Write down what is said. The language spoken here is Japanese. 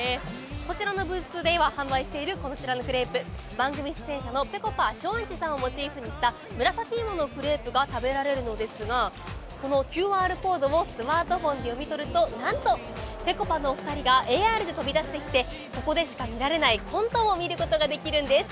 こちらのブースで販売しているこちらのクレープ番組出演者のぺこぱ、松陰寺さんをモチーフにしたムラサキイモのクレープが食べられるのですがこのＱＲコードをスマートフォンで読み取るとなんと、ぺこぱのお二人がＡＲで飛び出してきてここでしか見られないコントを見ることができるんです。